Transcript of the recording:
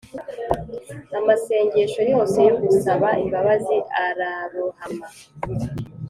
amasengesho yose yo gusaba imbabazi ararohama;